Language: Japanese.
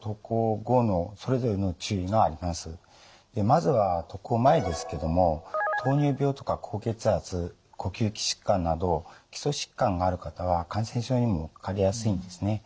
まずは渡航前ですけども糖尿病とか高血圧呼吸器疾患など基礎疾患がある方は感染症にもかかりやすいんですね。